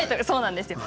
そうなんです。